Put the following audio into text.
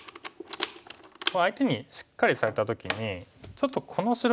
相手にしっかりされた時にちょっとこの白石